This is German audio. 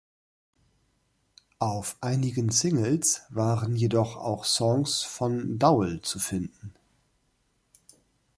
Auf einigen Singles waren jedoch auch Songs von Dowell zu finden.